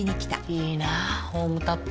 いいなホームタップ。